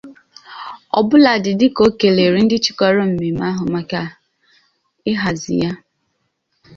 ọbụladi dịka o kèlèrè ndị chịkọbara mmemme ahụ maka ịhazi ya